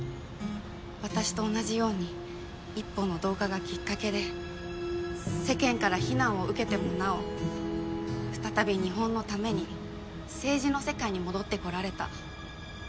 私と同じように１本の動画がきっかけで世間から非難を受けてもなお再び日本のために政治の世界に戻ってこられた。